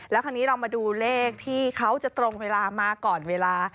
แล้วคราวนี้เรามาดูเลขที่เขาจะตรงเวลามาก่อนเวลา